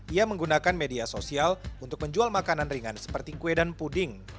ia menggunakan media sosial untuk menjual makanan ringan seperti kue dan puding